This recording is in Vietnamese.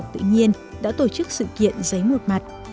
tự nhiên đã tổ chức sự kiện giấy một mặt